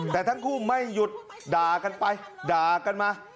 แต่ทั้งคู่ไม่หยุดด่ากันไปด่ากันมา